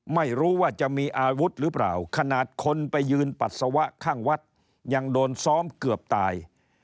ไม่รู้ว่าจะมีอาวุธหรือเปล่าขนาดคนไปยืนปัสสาวะข้างวัดยังโดนซ้อมเกือบตาย